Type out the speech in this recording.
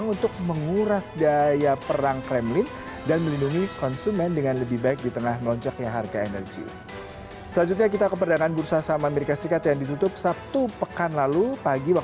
untuk menaikkan suku bunga